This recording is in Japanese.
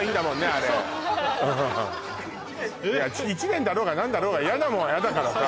あれ築１年で１年だろうが何だろうが嫌なものは嫌だからさ